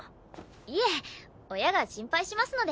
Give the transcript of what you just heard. いえ親が心配しますので。